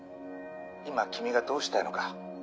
「今君がどうしたいのか」